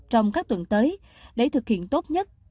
trong các tuần tới để thực hiện tốt nhất